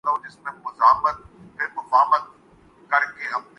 جسے دنیا مانتی ہے۔